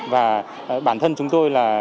và bản thân chúng tôi là